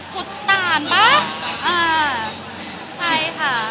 หุดตานอ่าไหวห์